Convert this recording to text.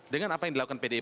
dengan apa yang dilakukan pdip